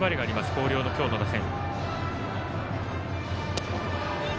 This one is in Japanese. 広陵の今日の打線。